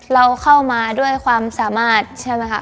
เราเข้ามาด้วยความสามารถใช่ไหมคะ